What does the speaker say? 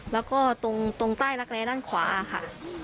แล้วก็ตรงใต้รักแร้ด้านขวาค่ะ